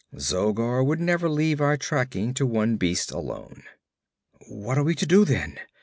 'Zogar would never leave our tracking to one beast alone.' 'What are we to do, then?'